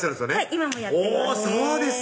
今もやってます